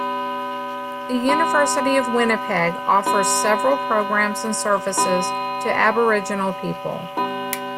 The University of Winnipeg offers several programs and services to Aboriginal people.